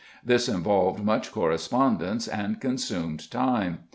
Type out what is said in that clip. This involved much correspondence and consumed time.